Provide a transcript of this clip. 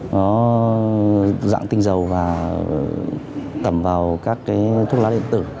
nó dạng tinh dầu và tẩm vào các cái thuốc lá điện tử